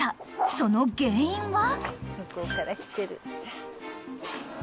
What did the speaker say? ［その原因は］